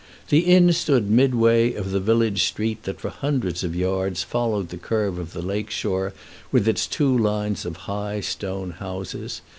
The inn stood midway of the village street that for hundreds of yards followed the curve of the lake shore with its two lines of high stone houses.